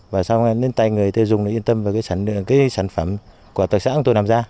và sau đó lên tay người tiêu dùng yên tâm về cái sản phẩm của tác xã tôi làm ra